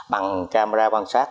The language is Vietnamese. bằng camera quan sát